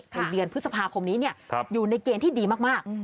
ในเดือนพฤษภาคมนี้อยู่ในเกณฑ์ที่ดีมาก